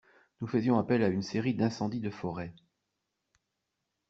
Nous faisions appel à une série d'incendies de forêt.